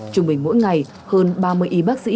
chúng mình mỗi ngày hơn ba mươi y bác sĩ